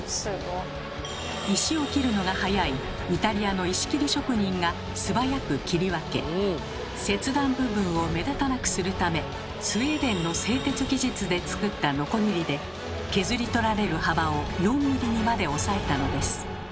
石を切るのが早いイタリアの石切り職人がすばやく切り分け切断部分を目立たなくするためスウェーデンの製鉄技術で作ったノコギリで削り取られる幅を４ｍｍにまで抑えたのです。